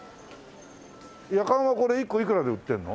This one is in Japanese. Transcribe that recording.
やかんはこれ１個いくらで売ってるの？